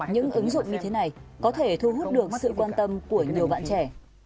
những ứng dụng như thế này có thể thu hút được sự quan tâm của nhiều bạn trẻ